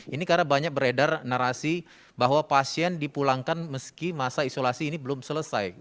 ini karena banyak beredar narasi bahwa pasien dipulangkan meski masa isolasi ini belum selesai